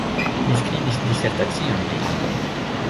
Li skribis disertacion pri algoj.